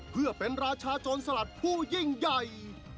เพื่อเป็นราชาโจรสลัดผู้ยิ่งใหญ่